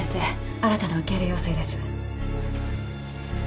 新たな受け入れ要請です。